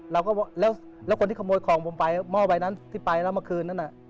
เราก็แล้วคนที่ขโมยของผมไปหม้อใบนั้นที่ไปแล้วเมื่อคืนนั้นน่ะ